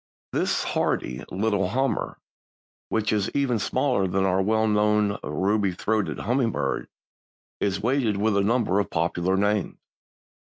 _) This hardy little "Hummer," which is even smaller than our well known ruby throated hummingbird, is weighted with a number of popular names.